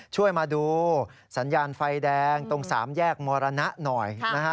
ช่วยมาดูสัญญาณไฟแดงตรงสามแยกมรณะหน่อยนะฮะ